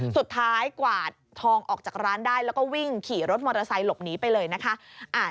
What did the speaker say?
กวาดทองออกจากร้านได้แล้วก็วิ่งขี่รถมอเตอร์ไซค์หลบหนีไปเลยนะคะ